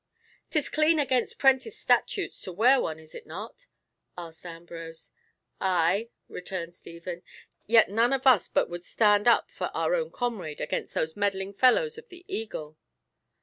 "'Tis clean against prentice statutes to wear one, is it not?" asked Ambrose. "Ay," returned Stephen; "yet none of us but would stand up for our own comrade against those meddling fellows of the Eagle."